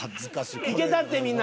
いけたってみんな。